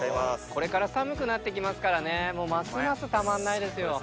これから寒くなって来ますからねますますたまんないですよ。